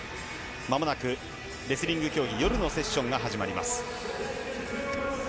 まもなくレスリング競技、夜のセッションが始まります。